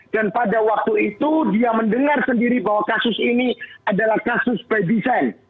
dan pada waktu itu dia mendengar sendiri bahwa kasus ini adalah kasus by design